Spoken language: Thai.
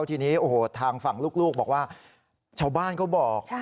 ทีนี้โอ้โหทางฝั่งลูกบอกว่าชาวบ้านเขาบอก